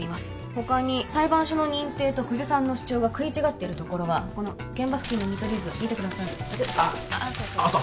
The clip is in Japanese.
他に裁判所の認定と久世さんの主張が食い違っているところはこの現場付近の見取り図見てくださいああそれそれあった！